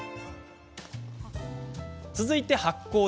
続いて、発酵。